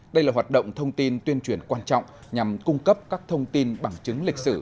đây là hoạt động thông tin tuyên truyền quan trọng nhằm cung cấp các thông tin bằng chứng lịch sử